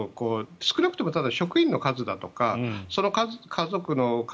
少なくとも職員の数だとかその家族の数